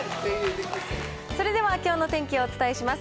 それでは、きょうの天気をお伝えします。